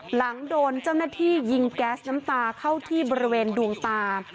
หลังโดนเจ้าหน้าที่ยิงแก๊สน้ำตาเข้าที่บริเวณดวงตา